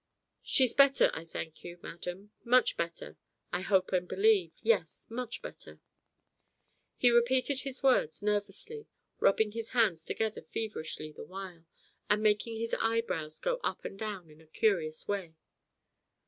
"She's better, I thank you, madam; much better, I hope and believe; yes, much better." He repeated his words nervously, rubbing his hands together feverishly the while, and making his eye brows go up and down in a curious way.